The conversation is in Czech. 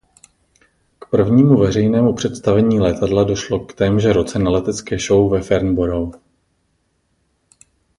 K prvnímu veřejnému představení letadla došlo v témže roce na letecké show ve Farnborough.